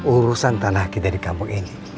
urusan tanah kita di kampung ini